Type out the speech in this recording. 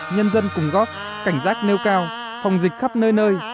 nhân dân cùng góp cảnh giác nêu cao phòng dịch khắp nơi nơi